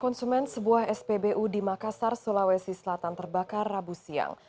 konsumen sebuah spbu di makassar sulawesi selatan terbakar rabu siang